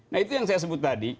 nah itu yang saya sebut tadi